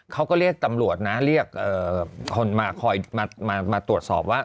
เขาก็เรียกตำรวจนะเรียกคนมาคอยมาตรวจสอบว่า